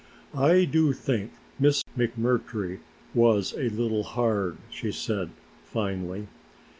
"I do think Miss McMurtry was a little hard," she said finally.